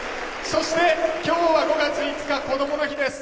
そして、きょうは５月５日こどもの日です。